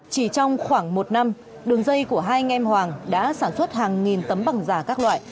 chỉ trong khoảng một năm đường dây của hai anh em hoàng đã sản xuất hàng nghìn tấm bằng giả các loại